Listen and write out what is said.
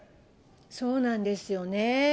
そうなんですよね。